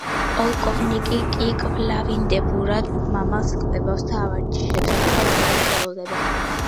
პოლკოვნიკი კი კვლავინდებურად მამალს კვებავს და ავარჯიშებს, თან წერილს ელოდება.